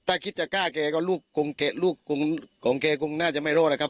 ถ้าคิดจะกล้าเกย์ก็ลูกของเกย์ลูกของเกย์คงน่าจะไม่โลกแหละครับ